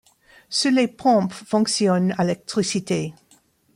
Seules les pompes fonctionnent à l'électricité.